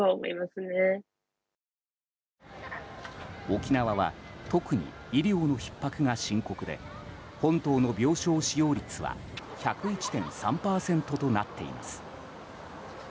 沖縄は特に医療のひっ迫が深刻で本島の病床使用率は１０１．３％となっています。